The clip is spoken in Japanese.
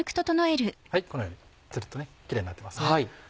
このようにつるっとねキレイになってますね。